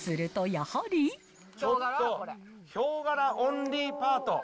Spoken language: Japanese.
ちょっと、ヒョウ柄オンリーパート。